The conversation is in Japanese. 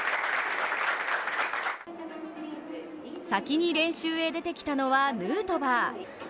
先に練習へ出てきたのはヌートバー。